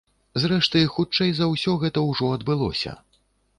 Зрэшты, хутчэй за ўсё, гэта ўжо адбылося.